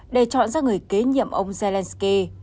để chọn ra người kế nhiệm ông zelensky